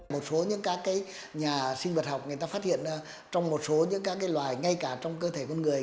một số các nhà sinh vật học phát hiện trong một số các loài ngay cả trong cơ thể con người